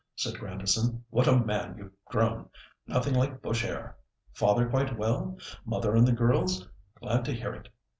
said Grandison. "What a man you've grown! Nothing like bush air. Father quite well? Mother and the girls? Glad to hear it.